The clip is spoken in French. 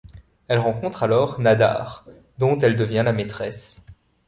Elle rencontre alors Nadar, dont elle devient la maîtresse.